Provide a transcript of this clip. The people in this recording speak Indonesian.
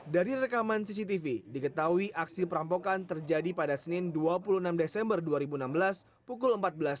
dari rekaman cctv diketahui aksi perampokan terjadi pada senin dua puluh enam desember dua ribu enam belas pukul empat belas tiga puluh